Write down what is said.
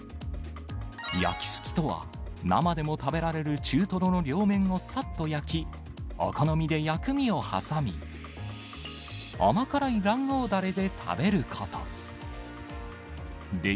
焼きすきとは、生でも食べられる中トロの両面をさっと焼き、お好みで薬味を挟み、甘辛い卵黄だれで食べること。